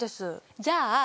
じゃあ